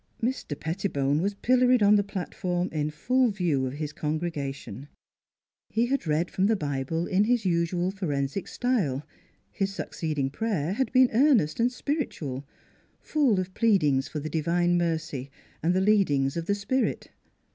Mr. Pettibone was pilloried on the platform in full view of his congregation. He had read from the Bible in his usual forensic style; his succeeding prayer had been earnest and spiritual, full of pleadings for the divine mercy and the leadings of the Spirit.